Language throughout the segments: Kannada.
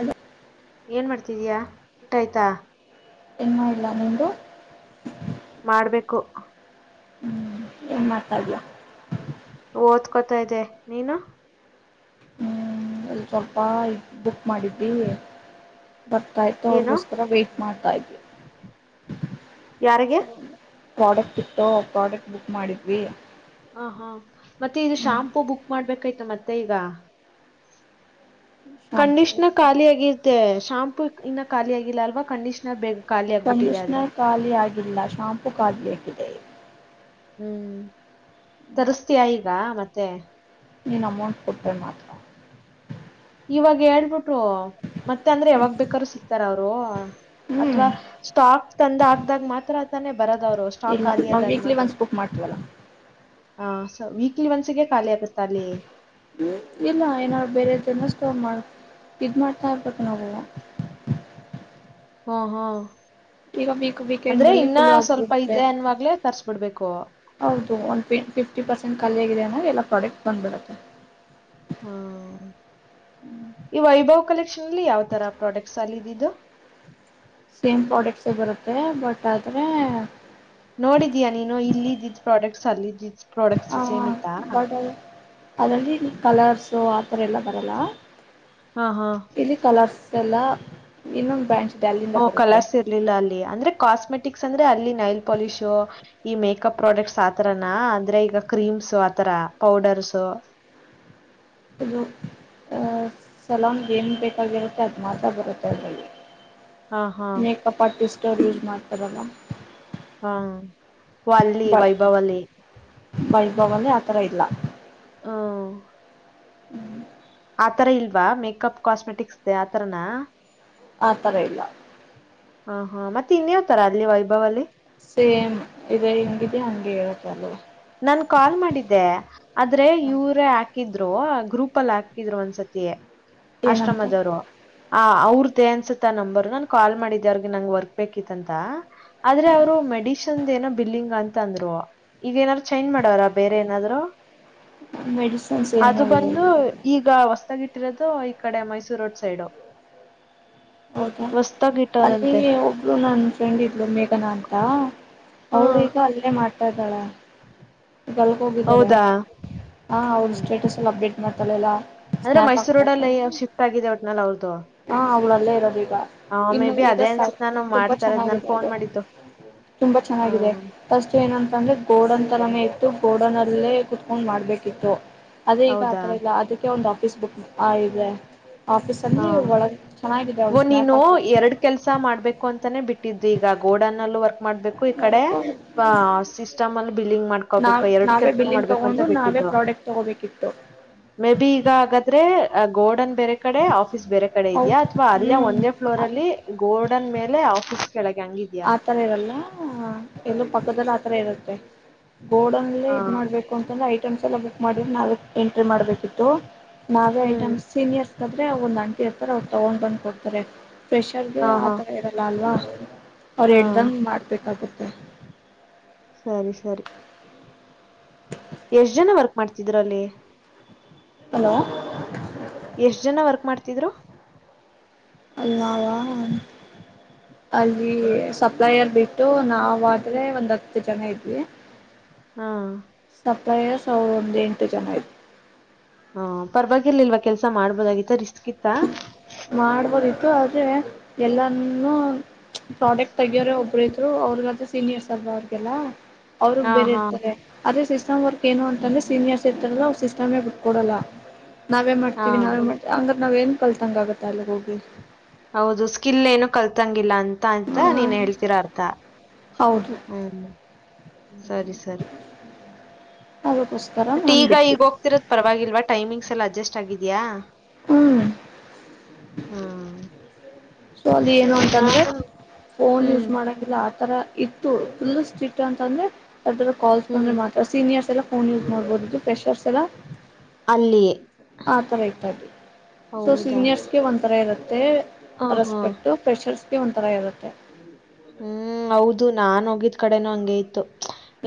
ಅದ ಏನ್ ಮಾಡ್ತಿದಿಯಾ ಊಟ ಆಯ್ತಾ ಏನ್ ಮಾಡಿಲ್ಲ ನಿಮ್ದು ಮಾಡ್ಬೇಕು ಏನು ಮಾಡ್ತೀಡಿಯ ಓದಕೊತ ಇದೆ ನೀನು ಹ್ಮ್ ಸ್ವಲ್ಪ ಬುಕ್ ಮಾಡಿದ್ವಿ ಬರ್ತಾಯತ ಏನು ಅವ್ರಗೋಸ್ಕರ ವೇ ಮಾಡ್ತಾ ಇದವಿ ಯಾರಿಗೆ ಪ್ರಾಡಕ್ಟ್ ಇತ್ತು ಪ್ರಾಡಕ್ಟ್ ಬುಕ್ ಮಾಡಿದ್ವಿ ಹ ಹಾ ಮತ್ತೆ ಇದು ಹ್ಮ್ ಶಾಂಪೂ ಬುಕ್ ಮಾಡ್ಬೇಕಾಯ್ತ ಮತ್ತೆ ಈಗ ಶಾಂಪೂ ಕಂಡೀಷ್ನರ್ ಖಾಲಿ ಆಗಿರ್ತೆ ಶಾಂಪು ಇನ್ನ ಖಾಲಿ ಆಗಿಲ್ಲ ಅಲ್ವಾ ಕಂಡೀಶ್ನರ್ ಬೇ ಕಂಡೀಷನರ್ ಖಾಲಿ ಆಗಿಲ್ಲ ಶಾಂಪು ಕಾಗಬೇಕಿದೆ ಹ್ಮ್ ತರಸ್ತೀಯ ಈಗ ಮತ್ತೆ ನೀನು ಅಮೌಂಟ್ ಕೊಟ್ಟೆ ಮಾತ್ರ ಇವಾಗ ಹೇಳ್ಬಿಟ್ಟು ಮತ್ತೆ ಅಂದ್ರೆ ಯಾವಾಗ ಬೇಕಾದ್ರು ಸಿಕ್ತಾರ ಅವರು ಅಥವಾ ಹ್ಮ್ ಸ್ಟಾಕ್ ತಂದ ಆಕ್ದಾಗ ಮಾತ್ರ ಆತಾನೆ ಬರದ ಅರು ಸ್ಟಾಕ್ ಇಲ್ಲ ಖಾಲಿ ನಾವು ಅದಾಗ ವೀಕ್ಲಿ ಮಾತ್ರ ಒನ್ಸ್ ಬುಕ್ ಮಾಡ್ತೀವಲ್ಲ ಹ ಸ ವೀಕ್ಲಿ ಒನ್ಸಿಗೆ ಖಾಲಿ ಆಗುತ್ತೆ ಅಲ್ಲಿ ಇಲ್ಲ ಏನಾದ ಬೇರೆ ಜನ ಸ್ಟೋರ್ ಮಾಡ ಇದ ಮಾಡ್ತಾ ಇರ್ಬೇಕು ನಾವು ಹ್ಮ ಹ್ಮ ಈಗ ವೀಕ್ ವೀಕೆಂಡ್ ಅಂದ್ರೆ ಅಲ್ಲಿ ಇನ್ನ ಫುಲ್ ಸ್ವಲ್ಪ ಆಗ್ಬಿಡುತ್ತೆ ಇದೆ ಅನ್ವಾಗ್ಲೇ ತರ್ಸ್ಬಿಡ್ ಹೌದು ಒಂದು ಫಿಫ್ಟಿ ಪರ್ಸೆಂಟ್ ಖಾಲಿಯಿದೆ ಅಂದರೆ ಎಲ್ಲ ಪ್ರಾಡಕ್ಟ್ ಬಂದ್ಬಿಡತ್ತೆ ಹ್ಮ ಈ ವೈಭವ್ ಕಲೆಕ್ಷಲಿ ಯಾವತರ ಪ್ರಾಡಕ್ಟ್ಸ್ ಅಲ್ಲಿದ್ದಿದ್ದು ಸೇಮ್ ಪ್ರಾಡಕ್ಟ್ಸ್ ಬರುತ್ತೆ ಬಟ್ ಆದ್ರೆ ನೋಡಿದೀಯಾ ನೀನು ಇಲ್ಲಿದ್ದಿದ್ ಪ್ರಾಡಕ್ಟ್ಸ್ ಅಲ್ಲಿದ್ದಿದ್ದ್ ಪ್ರಾಡಕ್ಟ್ಸ್ ಸೇಮ್ ಇತ್ತಾ ಬಟ್ ಅದರಲ್ಲಿ ಕಲರ್ಸು ಆ ಥರ ಎಲ್ಲ ಬರಲ್ಲ ಹಾ ಹಾ. ಇಲ್ಲಿ ಕಲರ್ಸ್ ಇಲ್ಲ ಇನ್ನೊಂದು ಬ್ಯಾಂಚ್ ಹಓ ಕಲರ್ಸ್ ಇರ್ಲಿಲ್ಲ ಅಲ್ಲಿ ಅಂದ್ರೆ ಕಾಸ್ಮೆಟಕ್ ಅಂದ್ರೆ ಅಲ್ಲಿ ನೈಲ್ ಪಾಲಿಶ್ ಈ ಮೇಕಪ್ ಪ್ರಾಡಕ್ಟ್ಸ್ ಆತರ ಅಂದ್ರೆ ಈಗ ಕ್ರೀಮ್ಸ್ ಆತರ ಪೌಡರ್ಸ್ ಇದು ಸಲನ್ಗೆ ಏನು ಬೇಕಾಗಿರುತ್ತೆ ಅದು ಮಾತ್ರ ಬರುತ್ತೆ ಅದರಲ್ಲಿ ಹಾ ಹಾ ಮೇಕಪ್ ಆರ್ಟಿಸ್ಟ ಯೂಸ್ ಮಾಡ್ತಾರಲ್ಲ ಹಾ ವಲ್ಲಿ ವೈಭವಲಿ ವೈಭವನೇ ಆಥರ ಇಲ್ಲ ಹ ಹ್ಮ್ ಆತರ ಇಲ್ವಾ ಮೇಕಪ್ ಕಾಸ್ಮೆಟಿಕ್ಸ್ ಆತರನಾ ಆಥರ ಇಲ್ಲ ಹ ಹಾ ಮತ್ತೆ ಇನ್ಯಾವತಾರ ಅಲ್ಲಿ ವೈಭವಲ್ಲಿ ಸೇಮ್ ಇ ಹಿಂಗಿದೆ ಹಂಗೆ ಹೇಳತ್ತಲ್ ನನ್ ಕಾಲ್ ಮಾಡಿದ್ದೆ ಆದ್ರೆ ಇವರ ಹಾಕಿದ್ದೆ ಗ್ರೂಪ್ ಅಲ್ಲಿ ಹಾಕಿದ್ರು ಒಂದ್ಸತಿ ಏನಂತ ಆಶ್ರಮದವರು ಆ ಅವ್ರ್ದೇ ಅನ್ಸುತ್ತ ನಂಬರ್ ನಾನ ಕಾಲ್ ಮಾಡಿದ್ದ ಅವ್ರಗ ನಂ ವರ್ಕ್ ಬೇಕಿತ್ತ ಅಂತ ಆದ್ರೆ ಅವರು ಮೇಡಿಷನ್ ಏನೋ ಬಿಲ್ಲಿಂಗ್ ಅಂತ ಅಂದ್ರು ಈಗ ಏನಾದ್ರು ಚೈಂಜ್ ಮಾಡವಾರ ಬೇರೆ ಏನಾದ್ರು ಮೆಡಿಸಿನ್ಸ್ ಏನು ಅದು ಬಂದು ಈಗ ಹೊಸದಗಿಟ್ಟ ಇಟ್ಟಿರೋದು ಈ ಕಡೆ ಮೈಸೂರು ರೋಡ್ ಸೈಡು ಹೌದಾ ಅಲ್ಲಿ ಹೊಸ್ತಾಗಿಟ್ಟವ್ರಂತೆ ಒಬ್ರು ನನ್ನ ಫ್ರೆಂಡ್ ಇದ್ರು ಮೇಘನಾ ಅಂತ ಅವಳು ಹ್ಮ್ ಈಗ ಅಲ್ಲೇ ಮಾಡ್ತಾ ಇದ್ದಾಳ ಈಗಲ್ಗೆ ಹೋಗಿದ್ದಾರೆ ಹೌದಾ ಹ ಅವ್ರ ಹ್ಮ್ ಸ್ಟೇಟಸ್ ಎಲ್ಲ ಅಪ್ಡೇಟ್ ಮಾಡ್ತಳ ಎಲ್ಲ ಅಂದ್ರೆ ಸ್ನ್ಯಾಪ್ ಹಾಕ್ತಾ ಮೈಸೂರಡಲ್ಲಿ ಇರ್ತಾಳೆ ಶಿಫ್ಟ್ ಆಗಿದೆ ಒಟ್ನಲ್ಲಿ ಅವ್ರ್ದು ಹಾ ಅವಳಲ್ಲೇ ಇರೋದ ಈಗ ಮೇ ಇನ್ನು ಬಿ ಈಗ ಅದೇ ಅನ್ಸುತ್ ನಾನು ತುಂಬಾ ಮಾಡ್ತಾ ಇರೋದ್ ನಾನ್ ಚೆನ್ನಾಗಿದೆ ಫೋನ್ ಅದು ಮಾಡಿದ್ದು ತುಂಬಾ ಚೆನ್ನಾಗಿದೆ ಹ್ಮ್. ಫಸ್ಟ್ ಏನಂತಂದ್ರೆ ಗೋಡನ್ ರೇ ಇತ್ತು ಗೋಡನಲ್ಲೇ ಕುೂತ್ಕೊಂಡ್ ಮಾಡ್ಬೇಕಿತ್ತು ಅದೇ ಈಗ ಹೌದಾ? ಆಥರ ಇಲ್ಲ ಅದಕ್ಕೆ ಒಂದು ಪೇಸ್ ಬುಕ್ ಆಯ ಹಾ. ಆಫೀಸಲ್ಲಿ ಓ ನೀನು ಎರಡ್ ಕೆಲ್ಸ ಮಾಡ್ಬೇಕು ಅಂತಾನೆ ಬಿಟ್ಟಿದ್ ಈಗ ಗೋಡನ್ ಅಲ್ಲೂ ವರ್ಕ್ ಮಾಡ್ಬೇಕು ಈ ಕಡೆ ಸಿಸ್ಟಮ್ ಅಲ್ಲಿ ಬಿಲಿಂಗ್ ಮಾಡ್ ಹಕೋಬೇಕ ನಾವ್ ಎರಡು ನಾವೇ ಕೆಲ್ಸನ ಬಿಲ್ಲಿಂಗ್ ಮಾಡ್ಬೇಕು ಅಂತ ತಗೊಂಡು ನಾವೇ ಬಿಟ್ಟಿದ್ದ್ವ ಪ್ರಾಡಕ್ಟ್ ತಗೋಬೇಕಿತ್ತು ಮೇ ಬಿ ಈಗ ಹಾಗಾದ್ರೆ ಗೋ ಕಡೆ ಆಫೀಸ್ ಬೇರೆ ಕಡೆ ಹೌ ಇದೆಯಾ ಅಥವಾ ಅಲ್ಲೇ ಹ್ಮ್ ಒಂದೇ ಫ್ಲೋರ್ ಅಲ್ಲಿ ಗೋರ್ಡನ್ ಮೇಲೆ ಆಫೀಸ್ ಕೆಳಗೆ ಹಂಗಿದ್ಯಾ? ಆತರ ಇರಲ್ಲ ಎಲ್ಲ ಪಕ್ಕದದಲ್ಲಿ ಆತರ ಇರುತ್ತೆ ಬೋರ್ಡ್ಲ್ಲಿ ಹಾ. ಇದದು ಮಾಡ್ಬೇಕು ಅಂತಂದ್ರೆ ಐಟಮ್ಸ್ ಎಲ್ಲ ಬುಕ್ ಮಾಡಿದ್ರೆ ನಾವ ಎಂಟ್ರಿ ಮಾಡ್ಬೇಕಿತ್ತು ನಾವೇ ಹ್ಮ್. ಐಟಮ್ ಸೀನಿಯರ್ಸ್ ಆದಾದ್ರೆ ಒಂದ ಅಂಟಿ ಇರ್ತಾರೆ ಅವ್ರು ತಗೊಂಡ್ ಬಂದ್ ಕೊಡ್ತಾರೆ ಫ್ರೆಷರ್ಗೆ ಹಾ, ಆ ಹಾ. ಥರ ಇರೋಲ್ಲ ಅಲ್ವಾ ಅವ್ರು ಹಾ. ಎ ಹೇಳ್ದಂಗೆ ಮಾಡ್ಬೇಕಾಗುತ್ತೆ ಸರಿ ಸರಿ ಎಷ್ಟ್ ಜನ ವರ್ಕ್ ಮಾಡ್ತಿದ್ದೀರಾ ಅಲ್ಲಿ ಹಲೋ ಎಷ್ಟ್ ಜನ ವರ್ಕ್ ಮಾಡ್ತಿದ್ರು ಅಲ್ಲ ಅಲ್ಲಿ ಸಪ್ಲೈರ್ ಬಿಟ್ಟು ನಾವ ಆದ್ರೆ ಒಂದ್ ಹತ್ತು ಜನ ಇದ್ವಿ ಹಾ ಪ್ರಯಸ ಅವ ಒಂದ ಎಂಟು ಜನ ಇದ್ರು ಹಾ ಪರವಾಗಿರ್ಲಿಲ್ವಾ ಕೆಲ್ಸ ಮಾಡ್ಬೋದಾಗಿತ್ತ ರಿಸ್ಕ್ ಇತ್ತ ರಿಸ್ಕು ಅದೇ ಎಲ್ಲಾನು ಪ್ರಾಡಕ್ಟ್ ತೆಗಿಯೋರೆ ಒಬ್ರು ಇದ್ರು ಅವ್ರಗಂತ ಸೀನಿಯರ್ಸ್ ಅಲ್ವಾ ಅವ್ರಿಗೆಲ್ಲ ಅವ್ರಗ್ ಹಾ, ಬೇರೆ ಹಾ. ಇರ್ತಾರೆ ಅದೇ ಸಿಸ್ಟಮ್ ವರ್ಕ್ ಏನು ಅ ಂದೆ ಸೀನಿಯರ್ಸ್ ಸಿಸ್ಟಮ್ೇ ಬಿಟ್ಕೊಡಲ್ಲ ನಾವೇ ಹಾ ಮಾಡ್ತೀವಿ ನಾವೇ ಮಾಡ್ವಿ್ರ ನಾವೇನು ಕಲ್ತಂಗ ಆಗುತ್ತೆ ಅಲ್ಲಿ ಹೋಗಿ ಹೌದು ಸ್ಕಿಲ್ ಏನು ಕಲ್ತಂಗಿಲ್ಲ ಅಂತ ಅಂತ ಹ ನೀನ್ ಹೇಳ್ತಿೀರ ಅರ್ಥ ಹೌದು ಹೂ ಸರಿ ಸರಿ ಅದಕ್ಕೋಸ್ಕರ ಬಟ್ ನಾನು ಈಗ ಈಗ ಬಿಟ್ಬಿಟ್ಟು ಹೋಗ್ತಿರೋದ ಪರವಾಗಿಲ್ವಾ ಟೈಮಿಂಗ್ಸ್ ಎಲ್ಲಾ ಅಡ್ಜಸ್ಟ್ ಆಗಿದ್ಯಾಾ ಹೂ ಹೂ ಸೊ ಅಲ್ಲಿ ಏನು ಅಂತಂದ್ರೆ ಫೋನ್ ಯೂಸ್ ಹ್ಮ್ ಮಾಡಂಗಿಲ್ಲ ಆ ತರ ಇತ್ತು ಫುಲ್ ಸ್ಟಿಟ್ ಅಂತ ಅಂದ್ರೆರ ಕಾಲ್ಸ್ಕಂದ್ರೆ ಹ್ಮ್ ಮಾತ್ರ ಸೀನಿಯರ್ಸ್ ಎಲ್ಲ ಫೋನ್ ಯೂಸ್ ಮಾಡ್ಬೋದುದು ಪ್ರೆಷರ್ಸ್ ಎಲ್ಲ ಅಲ್ಲಿ ಆ ತರ ತಲಿ ಸೊ ಹೌದಾ ಸೀನಿಯರ್ಸ್ಗೆ ಒಂಥರ ಇರುತ್ತೆ ಹ ಹಾ ರೆಸ್ಪೆಕ್ಟ್ ಪ್ರೆಷರ್ಸ್ ಬಿ ಒಂಥರ ಇರುತ್ತೆ ಹೂ ಹೌದು ನಾನ್ ಹೋಗಿದ್ ಕಡೆನೂ ಹಂಗ ಇತ್ತು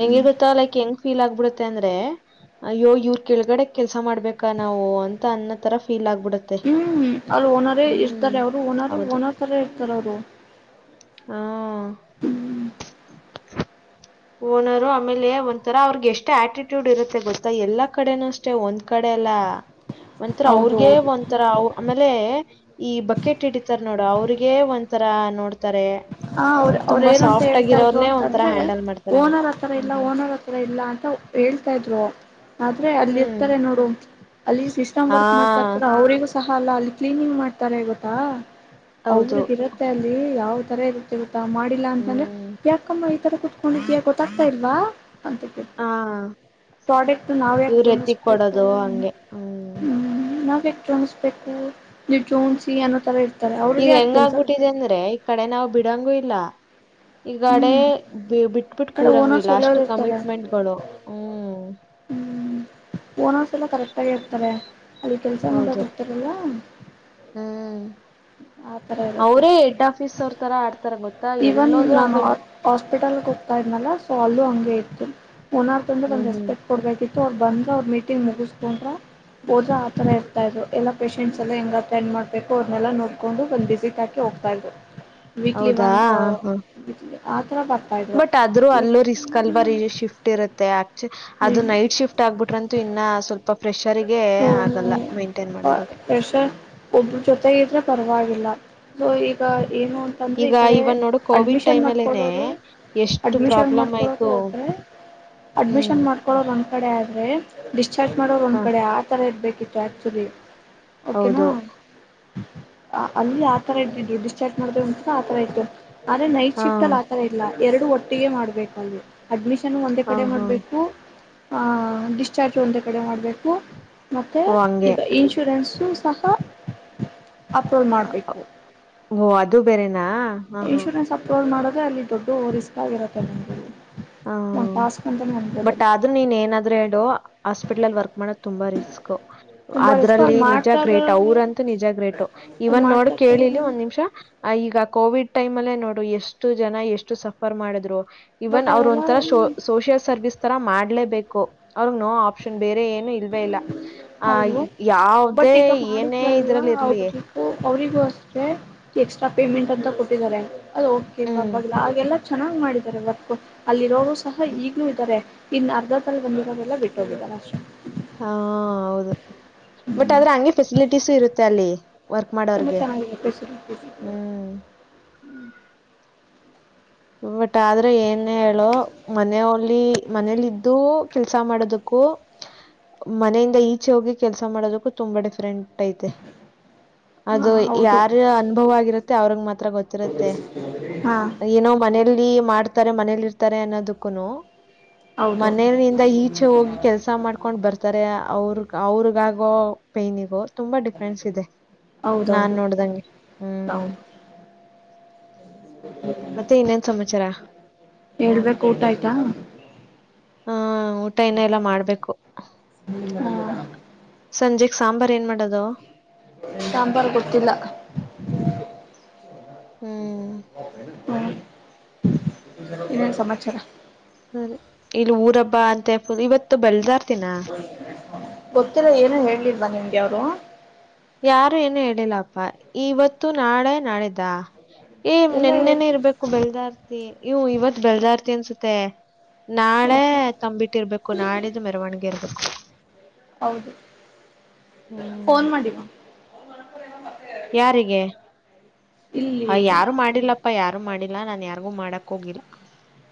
ಹೆಂಗಿ ಗೊತ್ತಾ ಲೈಕ್ ಹೆಂಗ್ ಫೀಲ್ ಆಗ್ಬಿಡುತ್ತ ಅಂದ್ರೆಯ್ಯೋ ಇವ್ರ ಕೆಳಗಡೆ ಕೆಲ್ಸ ಮಾಡ್ಬೇಕಾ ನಾವು ಅಂತ ಅನ್ನ ತರ ಫೀಲ್ ಆಗ್ ಹೂ ಅವ್ರು ಓನರೇ ಇರ್ತಾರೆ ಅವ್ರು ಓನರ ಹೌದು ಓನರ್ ತರ ಇರ್ತಾರ ಅವ್ರು ಹಾ ಓನರ ಆಮೇಲೆ ಒಂಥರ ಅವ್ರಗೆ ಎಷ್ಟು ಆಟಿಟ್ಯೂಡ್ ಇರುತ್ತೆ ಗೊತ್ತಾ ಎಲ್ಲಾ ಕಡೆನೂ ಅಷ್ಟೆ ಒಂದ್ ಕಡೆ ಎಲ್ಲ ಒಂಥರ ಹೌದು ಅವ್ರಗ ಹೌದು ಒಂಥರ ಆಮೇಲೆ ಈ ಬಕೆಟ್ ಇಡಿತಾರ ನೋಡು ಅವ್ರಿಗೆ ಒ ಒ ತರ ನೋಡ್ತಾರೆ ಹ ಅವ್ರ ಅವ್ರ ತುಂಬಾ ಏನಂತ ಸಾಫ್ಟ್ ಹೇಳ್ತಾ ಇದ್ರು ಆಗಿರೋರ್ನ್ನೇ ಒಥರ ಅಂತಂದ್ರೆ ಹ್ಯಾಂಡಲ್ ಮಾಡ್ತಾರೆ ಹಂಗ ಓನರ್ ಹತ್ರರ ಇಲ್ಲ ಹ್ಮ್ ಓನರ್ ಹತ್ರರ ಇಲ್ಲ ಅಂತ ಹೇಳ್ತಾ ಇದ್ರು ಆದ್ರೆ ಅಲ್ಲಿ ಹ್ಮ್ ಇರ್ತಾರೆ ನೋಡು ಅಲ್ಲಿ ಸಿಸ್ಟಮ್ ಹಾ ವರ್ಕ್ ಮಾಡ್ತಾ ಇರ್ತಾರೆ ಅವ್ರರಿಗೂ ಸಹ ಅಲ್ಲ ಅಲ್ಲಿ ಕ್ಲೀನಿಂಗ್ ಮಾಡ್ತಾರೆ ಗೊತ್ತಾ ಹೌದು ಅವ್ರಿಗೆ ಇರುತ್ತೆ ಅಲ್ಲಿ ಯಾವ್ ತರ ಇರುತ್ತೆ ಮಾಡಿಲ್ಲಾ ಅಂತಂದ್ರೆ ಹ್ಮ್ ಯಾಕಮ್ಮ ಈತರ ಕುೂತ್ಕೊಂಡಿದ್ಯಾ ಗೊತ್ತಾಗ್ತಾ ಇಲ್ವಾ ಹಾ ಪ್ರಡಕ್ಟ್ ನಾವ ಇವ್ರ ಯಕತ ಎತ್ತಿಕ್ ಹೂ ಕೊಡೋದು ಹಂಗೆ ಹ್ಮ್ ನಾವ ಯ ೋಿಸಬೇಕು ನೀವು ಜೋನ್ಸಿ ಏನೋ ತರ ಇ ಈಗ ಹೆಂಗ ಆಗ್ಬಿಟ್ಟಿದೆ ಅಂದ್ರೆ ಈ ಕಡೆ ನಾವು ಬಿಡಂಗೂ ಇಲ್ಲ ಈಗಡೆ ಹ್ಮ್ ಬಿಟ್ ಆ ಬಿಿಟ್ಟ ಕಡೆ ಕೂರಂಗು ಓನರ್ಸ್ ಇಲ್ಲ ಒಳ್ಳೆಯವರು ಅಷ್ಟು ಇರ್ತಾರೆ ಕಮಿಟ್ಮೆಂಟ್ಗಳು ಹೂ ಹೂ ೋನಸ ಎಲ್ಲ ಕರೆಕ್ಟ್ ಆಗ ಇರ್ತಾರೆ ಅಲ್ಲಿ ಕೆಲ್ಸ ಮಾಡಕ್ ಇರ್ತಾರಲ್ಲ ಹೂ ಆ ಥರ ಇರುತ್ತೆ ಅವ್ರೇ ಹೆಡ್ ಆಫೀಸ್ ಅವ್ರ ತರ ಆಡ್ತಾರ ಗೊತ್ತಾ ಎಲ್ಲದ್ೂಂಗ ಹಾಸ್ಪಿಟಲ್ ಹೋಗ್ತಾ ಇದ್ನಲ್ಲ ಸೊ ಅಲ್ಲೂ ಹಂಗೆ ಇತ್ತು ನಾರ ಅಂದ್ರೆ ಹ್ಮ್ ಒಂದ್ ಹ್ಮ್. ರೆಸ್ಪೆಕ್ಟ್ ಕೊಡ್ಬೇಕಿತ್ತು ಅವ್ ಬಂದ್ರೆ ಅವ್ರ ಮೀಟಿಂಗ್ ಮುಗಿಸಕೊಂಡ್ರ ಹೋದಾ ಆ ತರ ಇರ್ತಾ ಇದ್ರು ಎಲ್ಲ ಪೇಶೆಂಟ್ಸ್ ಎಲ್ಲ ಹೆಂಗ ಅಟೆಂಡ್ ಮಾಡ್ಬೇಕು ಅವ್ರನ್ನೆಲ್ಲ ನೋಡ್ಕೊಂಡು ಒಂದ್ ಬಿಸಿಕ್ ಹಕಿ ಹೋಗ್ತಾ ಇದ್ರು ಹೌದಾ ಹಾ ಆ ಥರ ಬರ್ತಾಯಿದ್ರು ಬಟ್ ಆದ್ರೂ ಅಲ್ಲೂ ರಿಸ್ಕ್ ಅಲ್ ಬ ಇಲ್ಲಿ ಶಿಫ್ಟ್ ಇರುತ್ತೆ ಆ ಅದು ನೈಟ್ ಶಿಫ್ಟ್ ಆಗ್ಬಿಟ್ರಂತೂ ಇನ್ನ ಸ್ವಲ್ಪ ಪ್ರಫ್ರೆಷರ್ಗೆ ಸೊ ಆಗಲ್ಲ ಮೈಂಟೈನ್ ಮಾಡೋದಕ್ಕೆ ಒಬ್ಬ್ರ ಜೊತೆಗ ಇದ್ರೆ ಪರವಾಗಿಲ್ಲ ಸೊ ಈಗ ಏನು ಅಂತಂದ್ರೆ ಈ ಈಗ ಕಡೆ ಇವನ್ ನೋಡು ಕೋವಿಡ್ ಅಡ್ಮಿಷನ್ ಟೈಮ್ ಅಲ್ಲೇನೆ ಮಾಡಕೊಡೋದು ಎಷ್ಟು ಅಡ್ಮಿಷನ್ ಪ್ರಾಬ್ಲಮ್ ಮಾಡ್ಕೊಡೋರು ಆಯ್ತು ಹೋದ್ರೆ ಹ್ಮ್. ಅಡ್ಮಿಷನ್ ಮಾಡ್ಕೊಳೋದಂತ ಕಡೆ ಆದ್ರೆ ಡಿಸ್ಚಾರ್ಜ್ ಮಾಡೋದು ಒಂದ್ ಹ ಕಡೆ ಆ ತರ ಇರ್ಬೇಕಿತ್ತು ಆಕ್ಚುಲಿ ಹೌದು ಆ ಅಲ್ಲಿ ಆತರ ಇದ್ದಿದವಿ ಡಿಸ್ಚಾರ್ಜ್ ಮಾಡ್ದ ಒಸ ಆತರ ಇತ್ತುು ಆದ್ರೆ ನೈಟ್ ಹಾ ಶಿಫ್ಟ್ ಅಲ್ಲಿ ಆಥರ ಇಲ್ಲ ಎರಡು ಒಟ್ಟಿಗೆ ಮಾಡ್ಬೇಕು ಅಲ್ಲಿ ಅಡ್ಮಿಷನ್ ಒಂದೇ ಹಾ ಕಡೆ ಹಾ ಮಾಡಬೇಕು ಡಿಸ್ಚಾರ್ಜ್ ಒಂದೇ ಕಡೆ ಮಾಡಬೇಕು ಮತ್ತೆ ಓ ಹಂಗೆ ಈಗ ಇನ್ಶೂರೆನ್ಸು ಸಹ. ಅಪ್ರೋಲ್ ಮಾಡ್ಬೇಕು. ಓ ಅದು ಬೇರೆನಾ ಹಾ ಹಾ ಇನ್ಶೂರೆನ್ಸ್ ಅಪ್ರೋವಲ್ ಮಾಡಿದ್ರೆ ಅಲ್ಲಿ ದೊಡ್ಡ ರಿಸ್ಕ್ ಆಗಿರತ್ತೆಲ್ಲ ನಮಗೆ. ಹ ಬಟ್ ಆದ್ರೂ ನೀನ್ ಏನಾದ್ರೂ ಹೇಳು ಹಾಸ್ಪಿಟ್ಲಲ್ ವರ್ಕ್ ಮಾಡ ತುಂಬಾ ರಿಸ್ಕ್ ತುಂಬ ರಿಸ್ಕ್ ಅದ್ರಲ್ಲಿ ಅಲ್ಲಿ ನಿಜ ಮಾಡ್ತಾರ ಗ್ರೇಟ್ ಅವರಂತೂ ನಿಜ ಗ್ರೇಟ ಅಲ್ಲಿ ಇವನ್ ನೋಡು ಮಾಡ್ತಾ ಕೇಳಿ. ಇರ್ತಾರೆ ಕೇಳಿ ಒಂದ್ ನಿಮಿಷ ಈಗ. ಕೋವಿಡ್ ಟೈಮ್ ಅಲ್ಲೇ ನೋಡು ಎಷ್ಟು ಜನ ಎಷ್ಟು ಸಫರ್ ಮಾಡಿದ್ರು ಇವನ್ ಬಟ್ ಅವ ಒಂತರ ಅವೆಲ್ಲ ಸೋಷಿಯಲ್ ಸರ್ವಿಸ್ ತರ ಮಾಡ್ಲೇಬೇಕು ಅವ್ರಗ್ ನೋ ಆಪ್ಷನ್. ಬೇರೆ ಏನು ಇಲ್ವೇ ಇಲ್ಲ ಆ ಹೌದು ಬಟ್ ಯಾವ್ದೇ ಈಗ ಏನೇ ಮಾಡಿದ್ರಲ್ವಾ ಇದ್ರಲ್ಲಿ ಇರ್ಲಿೇ. ಅವ್ರಿಗೂ ಅವರಿಗೂ ಅಷ್ಟೇ ಎಕ್ಸ್ಟ್ರಾ ಪೇಮೆಂಟ್ ಅಂತ ಕೊಟ್ಟಿದ್ದಾರೆ ಅದು ಓಕೆ ಹ್ಮ್ ಪರ್ವಾಗಿಲ್ಲ ಆಗೆ ಚೆನ್ನಾಗ್ ಮಾಡಿದ್ದಾರೆ ವರ್ಕು ಅಲ್ಲಿರೋರು ಸಹ ಈಗ್ಲೂ ಇದ್ದಾರೆ. ಇನ್ ಅರ್ಧ ತರ ಬಂದಿರೋದೆಲ್ಲ ಬಿಟ್ಟು ಹೋಗಿದ್ದಾರೆ ಅಷ್ಟೇ. ಹಾ ಹೌದು ಬಟ್ ಆದ್ರೆ ಹಂಗೆ ಫೆಸಿಲಿಟೀಸು ಇರುತ್ತೆ ಅಲ್ಲಿ. ವರ್ಕ ತುಂಬ ಮಾಡೋರ್ಗೆ ಚೆನ್ನಾಗಿದೆ ಫೆಸಿಲಿಟೀಸ್ ಹ್ಮ ಬಟ್ ಆದ್ರೆ ಏನ್ ಹೇಳು ಮನ ನೇಲ್ಲಿ ಮನೇಲಿದ್ದು ಕೆಲ್ಸ ಮಾಡದಕ್ಕೂ. ಮನೆಯಿಂದ ಈಚೆ ಹೋಗಿ ಕೆಲ್ಸ ಮಾಡೋದಕ್ಕೂ ತುಂಬಾ ಡಿಫ್ರಂಟ್ ಐತೆ. ಅದು ಹಾಂ ಹೌದು ಯಾರ ಅನುಭವ ಆಗಿರುತ್ತೆ ಅವ್ರಂಗ ಮಾತ್ರ ಗೊತ್ತಿರತ್ತೇ. ಹಾ ಮಾಡ್ತಾರೆ ಮನೇಲಿ ಇರ್ತಾರೆ ಅನ್ನೋದಕ್ಕೂನು. ಹೌದು ಮನೆಯಿಂದ ಈಚೆ ಹೋಗಿ ಕೆಲ್ಸ ಮಾಡ್ಕೊಂಡ್ ಬರ್ತಾರೆ ಅವರು. ಅವ್ರಿಗಾಗೋ ಪೈನಿಗೋ. ತುಂಬಾ ಡಿಫ್ರೆನ್ಸ್ ಇದೆ ನಾನ್ ಹೌದೌದು ನೋಡ್ದಂಗೆ ಹ್ಮ್ ಹೌದು ಮತ್ತೆ ಇನ್ನೇನ್ ಸಮಾಚಾರ [inaudible] ಹೇಳ್ಬೇಕು ಊಟ ಆಯ್ತಾ. ಹ್ಮ ಊಟ ಇನ್ನ ಎಲ್ಲಾ ಮಾಡ್ಬೇಕು ಸಂಜೆ. ಸಾಂಬಾರಾರ್ ಏನ್ ಮಾಡೋದು. ಸಾಂಬಾರ ಗೊತ್ತಿಲ್ಲ. ಹ್ಮ್ ಹ್ಞ ಇನ್ನೇನು ಸಮಾಚಾರ. ಅ ಇಲ್ಲಿ ಊರ ಹಬ್ಬಾ ಅಂತೆ ಇವತ್ತು ಬೆಲ್ದಾರ್ತಿ ಗೊತ್ತಿಲ್ಲ ಏನ ಹೇಳಿಲ್ವಾ ನಿಮ್ಗೆ ಅವರು. ಯಾರು ಏನು ಹೇಳಿಲ್ಲಪ್ಪ ಇವತ್ತು ನಾಳೆ ನಾಡಿದ್ದ. ಏ ಎಲ್ಲ ಹೇಳ್ ನೆನ್ನೆನೆ ಇರ್ಬೇಕು ಬೆಲ್ದರ್ತಿ ಇವು ಇವತ್ ಬೆಲ್ಲರ್ತಿ ಅನ್ಸುತ್ತೆ. ನಾಳೆ ತಂಬಿಟ್ಟ ಇರ್ಬೇಕು ನಾಳಿದ್ದು ಮೆರವಣಿಗೆ ಇರ್ಬೇಕು. ಹೌದು ಹ್ಮ್ ಫೋನ್ ಮಾಡಿದ. ಯಾರಿಗೆ ಇಲ್ಲಿ ಯಾರು ಮಾಡಿಲ್ಲಪ್ಪ ಯಾರು ಮಾಡಿಲ್ಲಾ ನಾನ್ ಯಾರಿಗೂ ಮಾಡಕ್ ಹೋಗಿಲ್ಲ.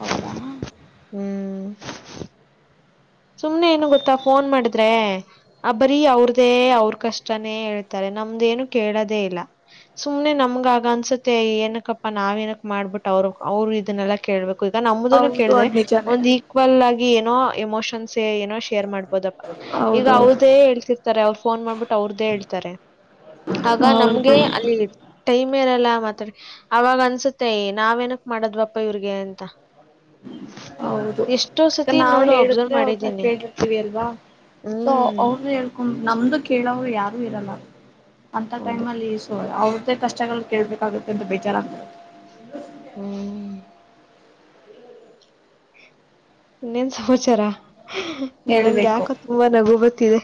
ಹೌದ ಹ್ಮ್ ಸುಮ್ನೆ ಏನು ಗೊತ್ತಾ ಫೋನ್ ಮಾಡಿದ್ರೆ ಆ ಬರೀ ಅವ್ರದೇ ಅವ್ರ ಕಷ್ಟನೇ ಹೇಳ್ತಾರೆ. ನಮ್ದೇನು ಕೇಳದೇ ಇಲ್ಲ. ಸುಮ್ನೆ ನಮ್ಗ ಆಗ ಅನ್ಸತ್ತೆ ಏನಕ್ಕಪ್ಪಾ ನಾವ ಏನಕ್ ಮಾಡ್ಬಿಟ್ಟ ಅವ್ರ ಅವರು ಇದನ್ನೆಲ್ಲಾ ಕೇಳ್ಬೇಕು. ಈಗ ನಮ್ಮುದನ್ನು ಹೌದು ಕೇಳಿದ್ರೆ ಅದ್ ನಿಜಾನೇ ಒಂದ್ ಈಕ್ವಲ್ ಆಗಿ ಏನೋ ಎಮೋಷನ್ಸ್ ಏನೋ ಶೇರ್ ಮಾಡ್ತ ಹಬದಪ್ಪಾ ಈಗ ಹೌದೌದು ಅವ್ರದೇ ಹೇಳ್ತಿರ್ತಾರೆ ಅವ್ರ ಫೋನ್ ಮಾಡ್ಬಿಟ್ಟು ಅವ್ರ್ದೇ ಹೇಳ್ತಾರೆ. ಆಗ ಹೌದು ನಮ್ಗೆ ಅಲ್ಲಿ ಟೈಮ್. [unintelligible] ಮಾತಾಡಿ ಅವಾಗ ಅನ್ಸುತ್ತೆ ನಾವೇನಕ್ ಮಾಡದ್ವಪ್ಪ ಇವ್ರಿಗೆ ಅಂತ. ಹೌದು ಎಷ್ಟೋ ಸತಿ ನಾವ್ ನೋಡು ಅಬ್ಸರ್ವ್ ಹೇಳಿದ್ರೆ ಮಾಡಿದ್ ಅವ್ರನ್ನ ಕೇಳಿರ್ತೀವಿ ಅಲ್ವಾ ಸೊ ಅವರು ಹೇಳ್ಕೊಂಡ ನಮ್ದು ಕೇಳೋವ್ರು ಯಾರು ಇರಲ್ಲ. ಅಂತ ಟೈಮ್ ಹೌದು ಅಲ್ಲಿ ಸೋ ಅವ್ರ್ದೇ ಕಷ್ಟಗಳು ಕೇಳ್ಬೇಕಾಗುತ್ತೆ ಅಂತ ಬೇಜಾರಂತ. ಹ್ಮ್ ಇನ್ನೇನ್ ಸಮಾಚಾರ ನಂಗ್ಯ ಹೇಳ್ಬೇಕು ಯಾಕೋ ತುಂಬಾ ನಗು ಬತ್ತಿದೆ.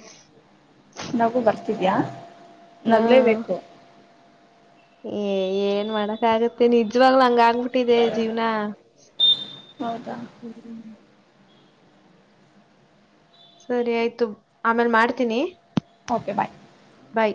ನಗು ಬರ್ತಿದ್ಯಾ ಹಾ ನಗ್ಲೇಬೇಕು. ಏ ಏನ್ ಮಾಡಕ್ ಆಗುತ್ತೆ ನಿಜ್ವಾಗ್ಲು ಅಂಗ - ಊಟಿದೆ ಜೀವ್ನ ಹೌದಾ ಹ್ಮ ಸರಿ ಆಯ್ತು ಆಮೇಲ್ ಮಾಡ್ತೀನಿ. Okay bye I